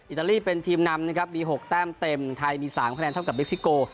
ตาลีเป็นทีมนำนะครับมี๖แต้มเต็มไทยมี๓คะแนนเท่ากับเม็กซิโก